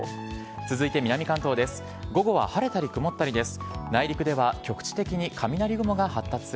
続いて南関東です。